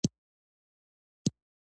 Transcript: چي یې وکتل تر شا زوی یې کرار ځي